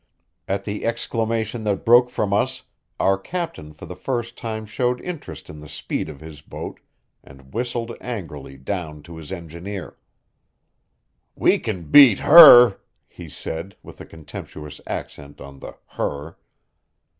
At the exclamation that broke from us, our captain for the first time showed interest in the speed of his boat, and whistled angrily down to his engineer. "We can beat her" he said, with a contemptuous accent on the "her."